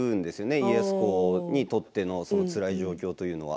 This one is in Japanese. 家康公にとってのつらい状況というのは。